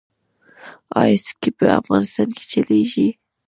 آیا سکې په افغانستان کې چلیږي؟